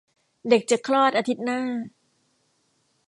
เด็กจะคลอดอาทิตย์หน้า